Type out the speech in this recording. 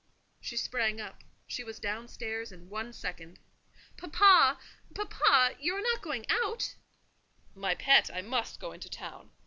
She sprang up: she was down stairs in one second. "Papa! papa! you are not going out?" "My pet, I must go into town."